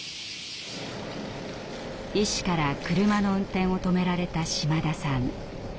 医師から車の運転を止められた島田さん。